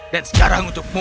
dan sekarang untukmu